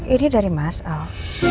ini dari mas al